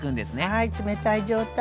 はい冷たい状態。